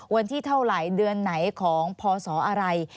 วันที่เท่าไหร่เดือนไหนของพศอะไร